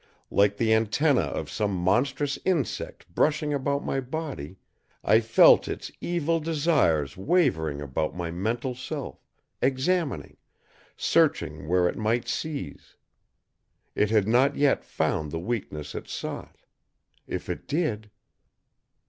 Like the antennæ of some monstrous insect brushing about my body, I felt Its evil desires wavering about my mental self, examining, searching where It might seize. It had not yet found the weakness It sought. If It did